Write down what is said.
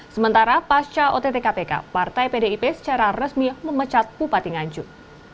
sementara pasca ott kpk partai pdip secara resmi memecat bupati nganjuk